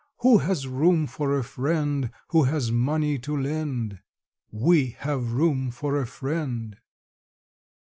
Who has room for a friend Who has money to lend? We have room for a friend!